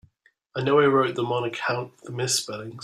I know he wrote them on account of the misspellings.